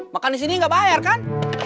makan di sini nggak bayar kan